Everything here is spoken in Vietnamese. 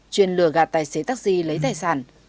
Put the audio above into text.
chuyên lừa gạt tài xế taxi lấy tài sản